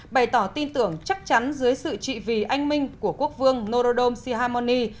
bày tỏ tin tưởng chắc chắn dưới sự trị vì anh minh của quốc vương norodom sihamoni